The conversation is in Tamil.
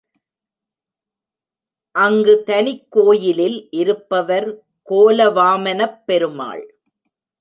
அங்கு தனிக் கோயிலில் இருப்பவர் கோல வாமனப் பெருமாள்.